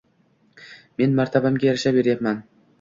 Men martabamga yarasha beryapman